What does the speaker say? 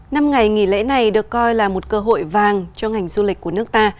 năm ngày nghỉ lễ này được coi là một cơ hội vàng cho ngành du lịch của nước ta